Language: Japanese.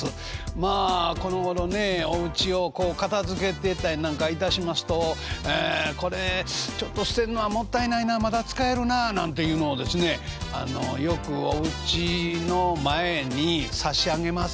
まあこのごろねおうちをこう片づけてたりなんかいたしますとこれちょっと捨てるのはもったいないなまだ使えるななんていうのをですねよくおうちの前に「差し上げます」